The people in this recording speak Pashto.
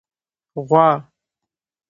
🐄 غوا